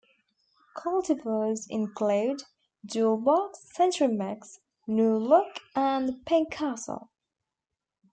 Cultivars include 'Jewel box', 'Century mix', 'New Look', and 'Pink Castle'.